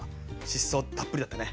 しっそーたっぷりだったね。